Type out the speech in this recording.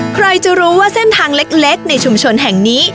ใครจะรู้ว่าเส้นทางเล็กในชุมชนแห่งนี้